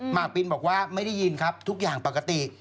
มากปินบอกว่าไม่ได้ยินครับทุกอย่างปกติ